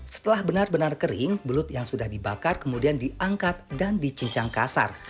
setelah benar benar kering belut yang sudah dibakar kemudian diangkat dan dicincang kasar